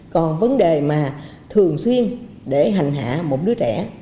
còn vấn đề mà thường xuyên để hành hạ một đứa trẻ